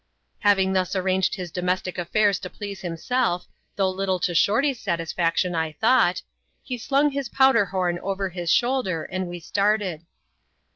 Having thus arranged his domestic affairs to please himself, though little to Shorty's satisfaction I thought, he slung his powder horn over his shoulder, and we started.